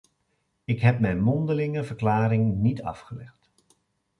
Ik heb mijn mondelinge verklaring niet afgelegd.